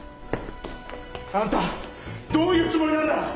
あんたどういうつもりなんだ！？